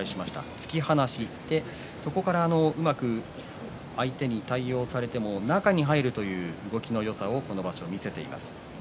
突き放して、そこからうまく相手に対応されても中に入るという動きのよさをこの場所は見せています。